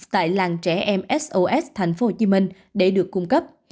tại làng trẻ em sos tp hcm để được cung cấp